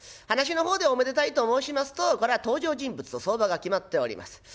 噺の方でおめでたいと申しますとこら登場人物と相場が決まっております。